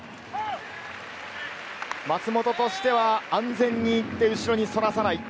松本としては安全に行って、後ろにそらさない。